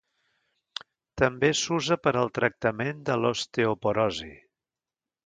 També s'usa per al tractament de l'osteoporosi.